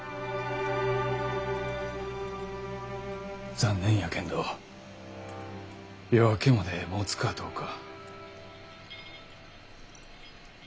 残念やけんど夜明けまでもつかどうか。